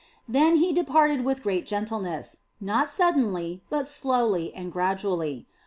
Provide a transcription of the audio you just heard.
Then He departed with great gentle ness ; not suddenly, but slowly and gradually.